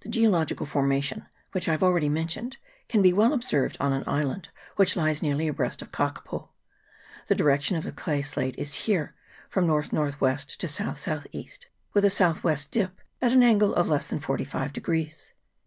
The geological formation, which I have already mentioned, can be well observed on an island which lies nearly abreast of Kakapo. The direction of the clay slate is here from north north west to south south east, with a south west dip at an angle of less than forty five degrees.